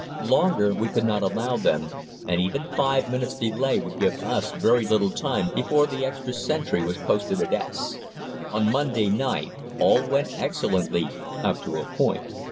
Longer we could not allow them, and even five minutes' delay would give us very little time before the extra sentry was posted at "S." On Monday night all went excellently up to a point.